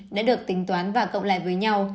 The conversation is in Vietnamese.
đã được tính toán và cộng lại với nhau